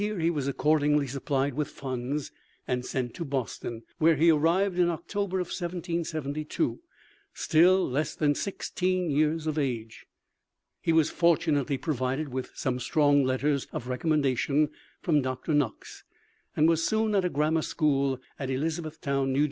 He was accordingly supplied with funds and sent to Boston, where he arrived in October, 1772, still less than sixteen years of age. He was fortunately provided with some strong letters of recommendation from Dr. Knox, and was soon at a grammar school at Elizabethtown, N.J.